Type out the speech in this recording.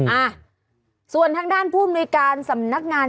อ่าส่วนทางด้านผู้อำนวยการสำนักงาน